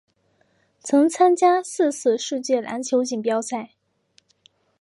曾参加四次世界篮球锦标赛。